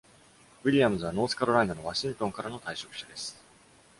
ウィリアムズはノースカロライナのワシントンからの退職者です。